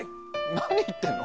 何言ってんの？